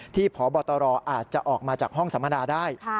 ที่พบตอาจจะออกมาจากห้องสัมพนาธิภาพได้